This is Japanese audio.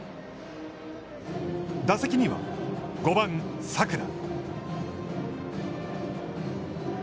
打席には、５番佐倉。